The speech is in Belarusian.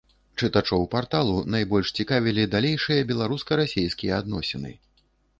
Чытачоў парталу найбольш цікавілі далейшыя беларуска-расейскія адносіны.